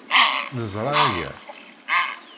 Neẓra aya.